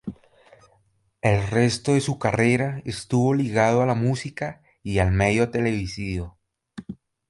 El resto de su carrera estuvo ligado a la música y al medio televisivo.